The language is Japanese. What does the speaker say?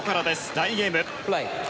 第２ゲーム。